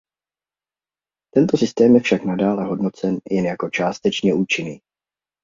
Tento systém je však nadále hodnocen jen jako částečně účinný.